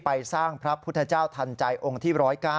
ไปสร้างพระพุทธเจ้าทันใจองค์ที่๑๐๙